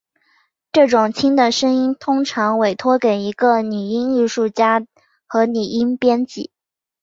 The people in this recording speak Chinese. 这种轻的声音通常委托给一个拟音艺术家和拟音编辑。